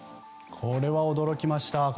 これは驚きました。